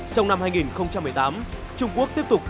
trong năm hai nghìn một mươi tám trung quốc tiếp tục cung cố